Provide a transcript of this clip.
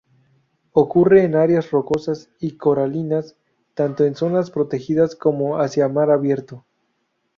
Ocurre en áreas rocosas y coralinas, tanto en zonas protegidas, como hacia mar abierto.